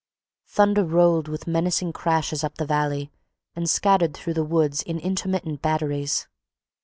Thunder rolled with menacing crashes up the valley and scattered through the woods in intermittent batteries.